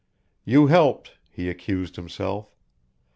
_ You helped, he accused himself.